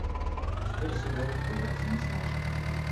Теперь сюда никто войти не сможет.